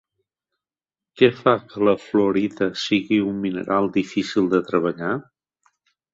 Què fa que la fluorita sigui un mineral difícil de treballar?